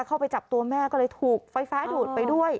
เข้าไปจับตัวแม่ก็เลยถูกไฟฟ้าดูดไปด้วย